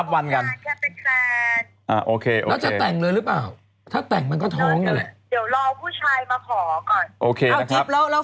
สรุปท้องหรือไม่ท้องแล้วจะแต่งงานแล้วจริงหรือเปล่า